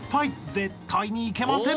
絶対にいけません］